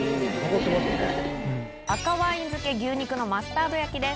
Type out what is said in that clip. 赤ワイン漬け牛肉のマスタード焼きです。